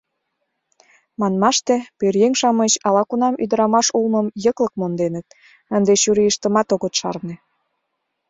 Манмаште, пӧръеҥ-шамыч ала-кунам ӱдырамаш улмым йыклык монденыт, ынде чурийыштымат огыт шарне.